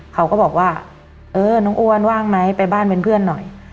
เขาก็บอกว่าเออน้องอ้วนว่างไหมไปบ้านเป็นเพื่อนหน่อย